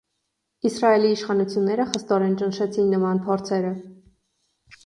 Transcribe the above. Իսրայելի իշխանությունները խստորեն ճնշեցին նման փորձերը։